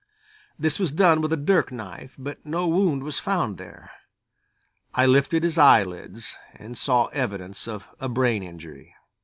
This was done with a dirk knife, but no wound was found there. I lifted his eyelids and saw evidence of a brain injury.